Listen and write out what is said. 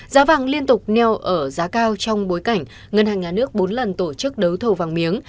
giá vàng liên tục neo ở giá cao trong bối cảnh ngân hàng nhà nước bốn lần tổ chức đấu thầu vàng miếng